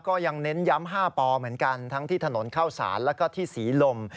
เน้นย้ำ๕ปอเหมือนกันทั้งที่ถนนเข้าสารแล้วก็ที่ศรีลม